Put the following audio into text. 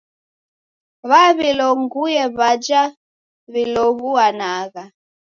W'awilonguye w'aja w'ilow'uanagha.